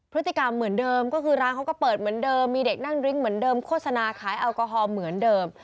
พฤติกรรมเหมือนเดิมก็คือร้านเขาก็เปิดเหมือนเดิมมีเด็กนั่งริ้งเหมือนเดิมโฆษณาขายแอลกอฮอลเหมือนเดิม